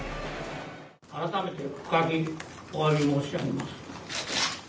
改めて深くおわび申し上げます。